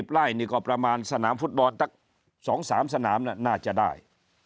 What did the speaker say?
ไล่นี่ก็ประมาณสนามฟุตบอลตั้ง๒๓สนามน่าจะได้